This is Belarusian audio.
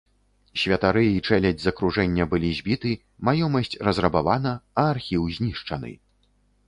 Святары і чэлядзь з акружэння былі збіты, маёмасць разрабавана, а архіў знішчаны.